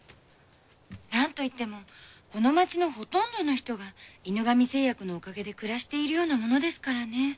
なんといってもこの町のほとんどの人が犬神製薬のおかげで暮らしているようなものですからね。